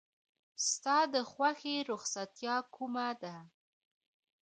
ستا د خوښې رخصتیا کومه ده؟